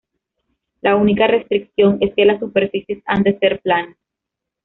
La única restricción es que las superficies han de ser planas.